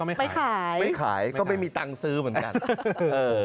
ไม่ขายก็ไม่มีตังค์ซื้อเหมือนกัน